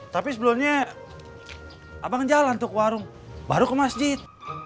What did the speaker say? tapi sebelumnya abang jalan untuk warung baru ke masjid